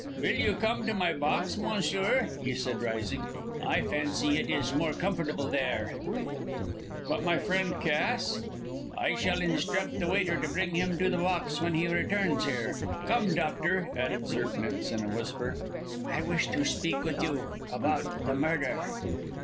"Will you come to my box, monsieur?" he said, rising. "I fancy it is more comfortable there." "But my friend Cass?" "I shall instruct the waiter to bring him to the box when he returns here. Come, doctor," added Zirknitz, in a whisper, "I wish to speak with you about the murder."